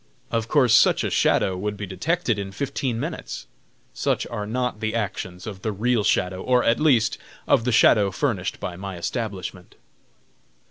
Of course such a "shadow" would be detected in fifteen minutes. Such are not the actions of the real "shadow", or, at least, of the "shadow" furnished by my establishment.